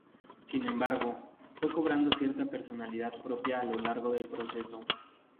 Sin embargo, fue cobrando cierta personalidad propia a lo largo del proceso.